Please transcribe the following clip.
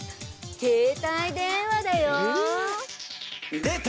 携帯電話だよ。出た！